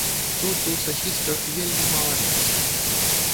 Тут у сасісках вельмі мала мяса.